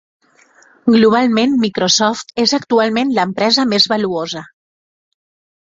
Globalment Microsoft és actualment l'empresa més valuosa.